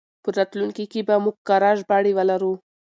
په راتلونکي کې به موږ کره ژباړې ولرو.